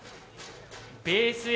ベースＡ